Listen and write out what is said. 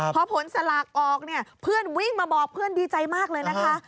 พอผลสลากออกเนี่ยเพื่อนวิ่งมาบอกเพื่อนดีใจมากเลยนะคะ